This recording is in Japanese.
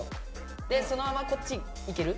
でそのままこっち行ける？